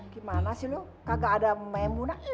gimana sih lu kagak ada memungut